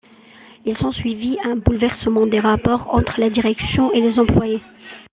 Il s'ensuivit un bouleversement des rapports entre la direction et les employés.